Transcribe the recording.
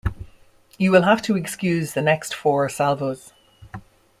You will have to excuse the next four salvos.